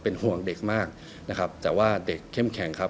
ห่วงเด็กมากนะครับแต่ว่าเด็กเข้มแข็งครับ